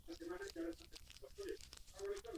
Aplikazioak geolokalizazioaren bidez egiten du lan.